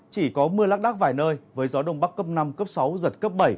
chỉ có mưa lắc đắc vài nơi với gió đông bắc cấp năm cấp sáu giật cấp bảy